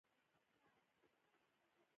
ژب پرستي مه کوئ